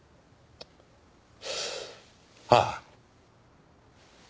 ああ。